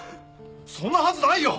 そんなはずないよ！